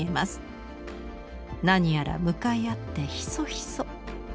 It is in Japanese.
何やら向かい合ってヒソヒソ。